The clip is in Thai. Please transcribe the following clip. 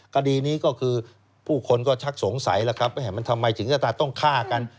คดีนี้ก็คือผู้คนก็ชักสงสัยแล้วครับมันทำไมถึงจะต้องฆ่ากัน